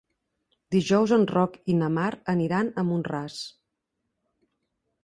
Dijous en Roc i na Mar aniran a Mont-ras.